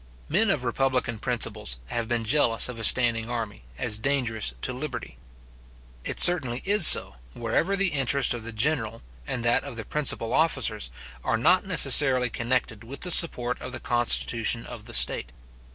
Men of republican principles have been jealous of a standing army, as dangerous to liberty. It certainly is so, wherever the interest of the general, and that of the principal officers, are not necessarily connected with the support of the constitution of the state.